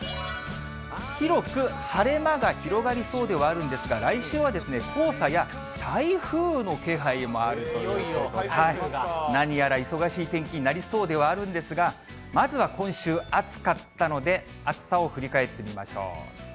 広く晴れ間が広がりそうではあるんですが、来週は黄砂や台風の気配もあるということで、何やら忙しい天気になりそうではあるんですが、まずは今週暑かったので、暑さを振り返ってみましょう。